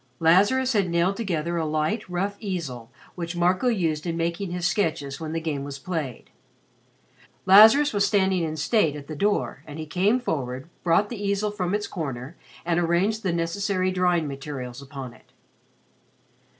Lazarus had nailed together a light, rough easel which Marco used in making his sketches when the game was played. Lazarus was standing in state at the door, and he came forward, brought the easel from its corner, and arranged the necessary drawing materials upon it.